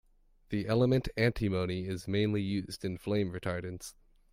The element antimony is mainly used in flame retardants.